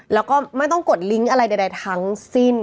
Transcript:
แล้วก็ไม่ต้องกดลิงก์อะไรใดทั้งสิ้น